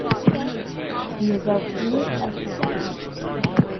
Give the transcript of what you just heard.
He is of Jewish ethnicity.